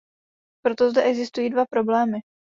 Proto zde existují dva problémy.